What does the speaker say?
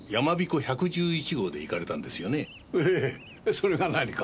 それが何か？